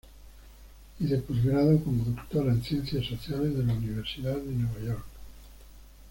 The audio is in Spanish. Y de postgrado como doctora en Ciencias Sociales de la Universidad de Nueva York.